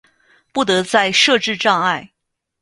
不得再设置障碍